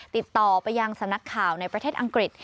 ติดต่อไปยังสำนักข่าวในประเทศอังกฤษ